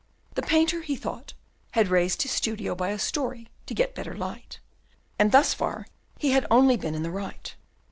The painter, he thought, had raised his studio by a story to get better light, and thus far he had only been in the right.